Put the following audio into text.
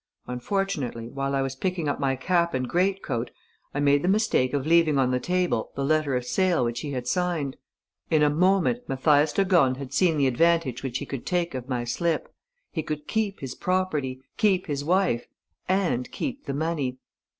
Unfortunately, while I was picking up my cap and greatcoat, I made the mistake of leaving on the table the letter of sale which he had signed. In a moment, Mathias de Gorne had seen the advantage which he could take of my slip: he could keep his property, keep his wife ... and keep the money.